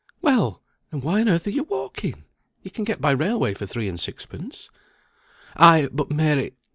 "Well! and why on earth are you walking? You can get by railway for three and sixpence." "Ay, but Mary!